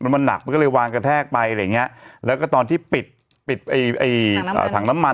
มันหนักก็เลยวางกระแทกไปแล้วตอนที่ปิดถังน้ำมัน